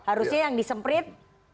harusnya yang disemprit